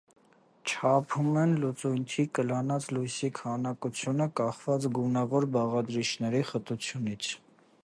Չափում են լուծույթի կլանած լույսի քանակությունը՝ կախված գունավոր բաղադրիչի խտությունից։